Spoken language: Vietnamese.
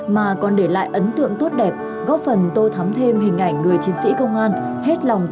mấy ông môi lên môi từ từ từ từ từ từ mới đưa cô lên